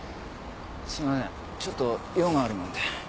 すいませんちょっと用があるもので。